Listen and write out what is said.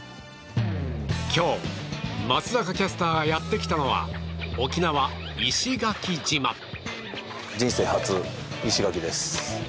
今日、松坂キャスターがやってきたのは沖縄・石垣島。